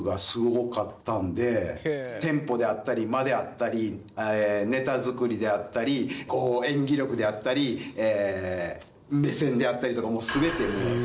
テンポであったり間であったりネタ作りであったりこう演技力であったり目線であったりとかもう全て。